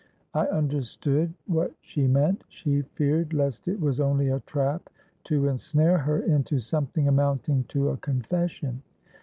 '—I understood what she meant: she feared lest it was only a trap to ensnare her into something amounting to a confession.